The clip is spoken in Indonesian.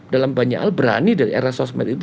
dalam banyak hal berani dari era sosmed itu